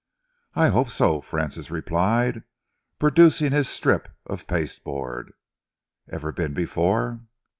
"I hope so," Francis replied, producing his strip of pasteboard. "Ever been before?"